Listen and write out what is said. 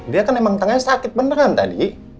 dia kan emang tengahnya sakit beneran tadi